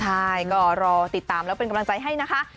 ใช่ก็รอติดตามแล้วเป็นกำลังใจให้นะคะ